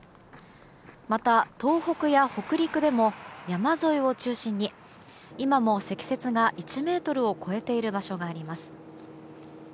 また、東北や北陸でも山沿いを中心に今も積雪が１ｍを超えている場所があります。